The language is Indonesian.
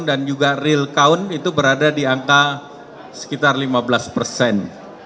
dan juga real count itu berada di angka sekitar lima belas persen